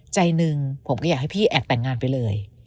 ใจหนึ่งผมก็อยากให้พี่แอบแต่งงานไปเลย